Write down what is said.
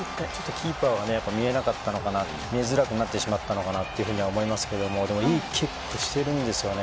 キーパーは見えなかったのかな見えづらくなってしまったのかと思いますけどでも、いいキックしているんですよね。